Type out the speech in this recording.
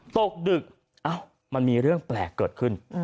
ตกดึกมันมีเรื่องแปลกเกิดขึ้น